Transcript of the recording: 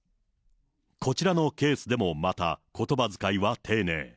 こちらのケースでもまた、ことばづかいは丁寧。